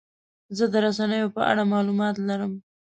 زه د رسنیو په اړه معلومات لرم.